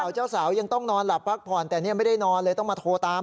เจ้าสาวยังต้องนอนหลับพักผ่อนแต่นี่ไม่ได้นอนเลยต้องมาโทรตาม